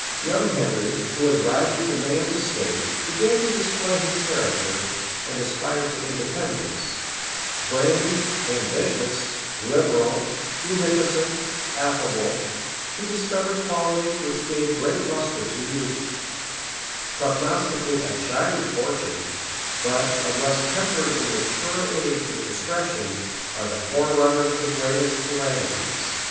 Young Henry, who was rising to man's estate, began to display his character, and aspire to independence: brave, ambitious, liberal, munificent, affable: he discovered qualities which give great lustre to youth; prognosticate a shining fortune; but, unless tempered in mature age with discretion, are the forerunners of the greatest calamities.